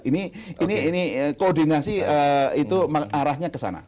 ini koordinasi itu arahnya kesana